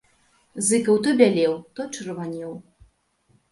Зыкаў то бялеў, то чырванеў.